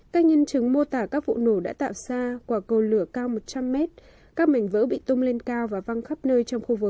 các nhân chứng mô tả các vụ nổ đã tạo ra quả cầu lửa cao một trăm linh mét các mảnh vỡ bị tung lên cao và văng khắp nơi trong khu vực